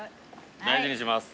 大事にします。